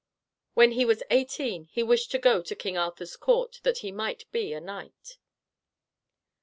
When he was eighteen he wished to go to King Arthur's court that he might be a knight.